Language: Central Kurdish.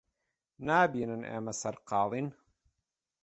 نابینن ئێمە سەرقاڵین؟